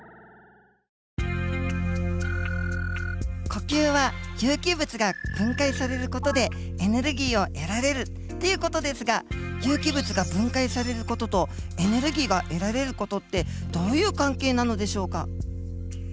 呼吸は有機物が分解される事でエネルギーを得られるっていう事ですが有機物が分解される事とエネルギーが得られる事ってどういう関係なのでしょうか。